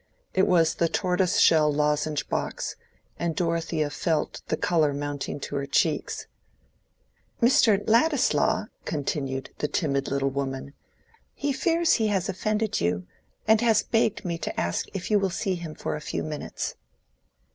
It was the tortoise shell lozenge box, and Dorothea felt the color mounting to her cheeks. "Mr. Ladislaw," continued the timid little woman. "He fears he has offended you, and has begged me to ask if you will see him for a few minutes."